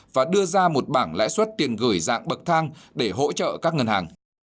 và đưa ra một bảng lãi suất tiền gửi dạng bậc thang để hỗ trợ các ngân hàng